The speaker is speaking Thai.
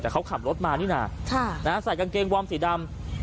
แต่เขาขับรถมานี่นะใส่กางเกงวอร์มสีดำ